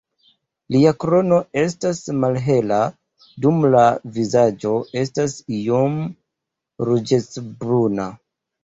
Lia krono estas malhela dum la vizaĝo estas iom ruĝecbruna.